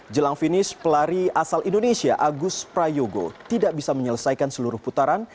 jelang finish pelari asal indonesia agus prayogo tidak bisa menyelesaikan seluruh putaran